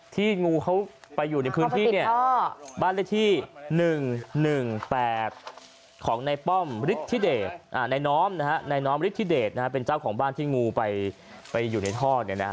งูเขาไปอยู่ในพื้นที่บ้านเลขที่๑๑๘ของในป้อมฤทธิเดชในน้อมฤทธิเดชเป็นเจ้าของบ้านที่งูไปอยู่ในท่อ